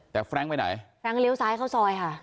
แต่แฟรงค์ไปไหนแร้งเลี้ยวซ้ายเข้าซอยค่ะ